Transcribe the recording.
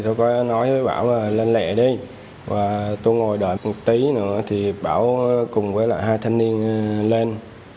tôi có nói với bảo là lên lẹ đi và tôi ngồi đợi một tí nữa thì bảo cùng với lại hai thanh niên lên